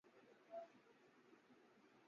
وہ G T road march کے حق میں نہ تھے۔